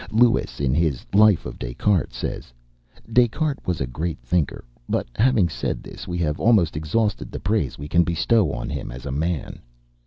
Lewes, in his "Life of Des Cartes," says, "Des Cartes was a great thinker; but having said this we have almost exhausted the praise we can bestow on him as a man.